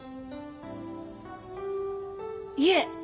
いえ。